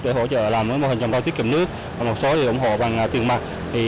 để hỗ trợ làm mô hình chăm sóc tiết kiệm nước còn một số thì ủng hộ bằng tiền mặt